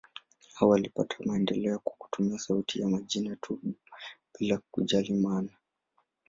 Hapo walipata maendeleo kwa kutumia sauti ya majina tu, bila kujali maana.